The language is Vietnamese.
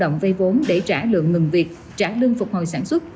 động vay vốn để trả lượng ngừng việc trả lương phục hồi sản xuất